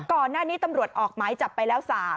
ก่อนหน้านี้ตำรวจออกหมายจับไปแล้ว๓